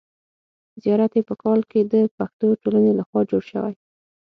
زیارت یې په کال کې د پښتو ټولنې له خوا جوړ شوی.